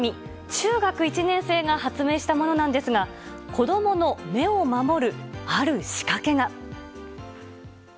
中学１年生が発明したものなんですが子供の目を守る、ある仕掛けが。